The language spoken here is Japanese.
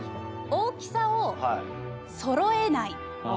大きさを揃えない。